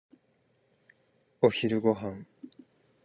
お昼ご飯。